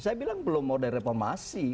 saya bilang belum order reformasi